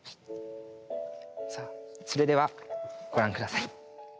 さあそれではご覧下さい。